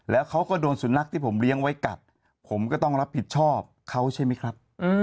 แล้วเขาก็โดนสุนัขที่ผมเลี้ยงไว้กัดผมก็ต้องรับผิดชอบเขาใช่ไหมครับ